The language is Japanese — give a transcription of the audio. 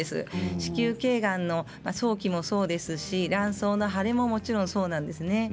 子宮けいがんの早期もそうですし卵巣の腫れもそうなんですね。